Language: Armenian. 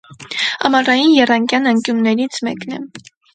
Ամառային եռանկյան անկյուններից մեկն է։